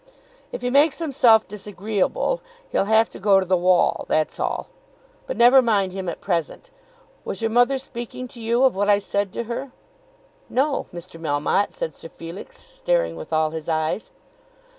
"If he makes himself disagreeable, he'll have to go to the wall; that's all. But never mind him at present. Was your mother speaking to you of what I said to her?" "No, Mr. Melmotte," said Sir Felix, staring with all his eyes.